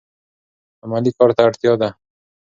عملي کار ته اړتیا ده.